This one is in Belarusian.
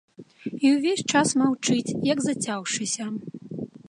І ўвесь час маўчыць, як зацяўшыся.